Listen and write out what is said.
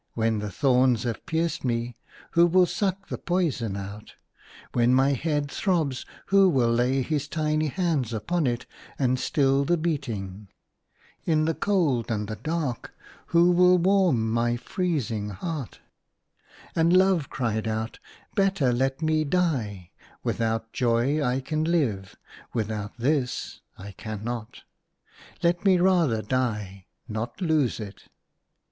" When the thorns have pierced me, who will suck the poison out ? When my head throbs, who will lay his tiny hands upon it and still the beating ? In the cold and the dark, who will warm my freezing heart ?" THE LOST JOY. And Love cried out, " Better let me die ! Without Joy I can live ; without this I cannot. Let me rather die, not lose it!"